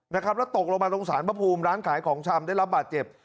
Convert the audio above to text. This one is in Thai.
แล้วตกลงมาตรงสารพระภูมิร้านขายของชำได้รับบาดเจ็บ